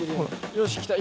よし来た。